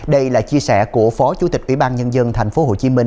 đây là chia sẻ của phó chủ tịch ủy ban nhân dân tp hcm